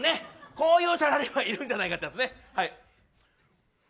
こういうサラリーマンいるんじゃないかってやつね。